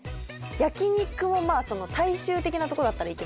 焼き肉は大衆的なとこだったら行けます。